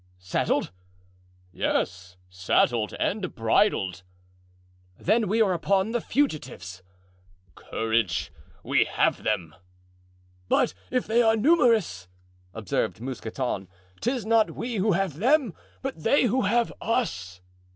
"Saddled?" "Yes, saddled and bridled." "Then we are upon the fugitives." "Courage, we have them!" "But if they are numerous," observed Mousqueton, "'tis not we who have them, but they who have us."